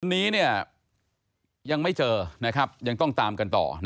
วันนี้ยังไม่เจอยังต้องตามกันต่อ